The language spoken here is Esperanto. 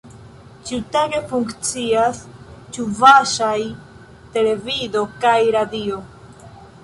Ĉiutage funkcias ĉuvaŝaj televido kaj radio.